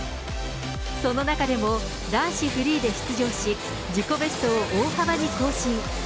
その中でも男子フリーで出場し、自己ベストを大幅に更新。